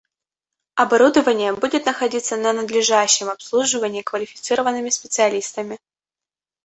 Оборудование будет находиться на надлежащем обслуживании квалифицированными специалистами